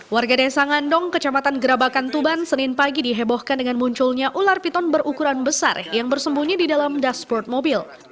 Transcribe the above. warga desa ngandong kecamatan gerabakan tuban senin pagi dihebohkan dengan munculnya ular piton berukuran besar yang bersembunyi di dalam dashboard mobil